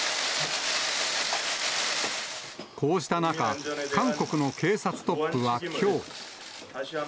こうした中、韓国の警察トップはきょう。